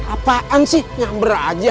apaan sih ngamber aja